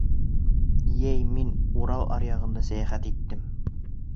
Йәй мин Урал аръяғында сәйәхәт иттем.